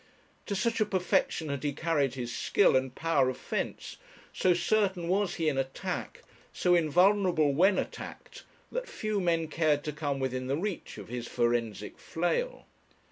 To such a perfection had he carried his skill and power of fence, so certain was he in attack, so invulnerable when attacked, that few men cared to come within the reach of his forensic flail.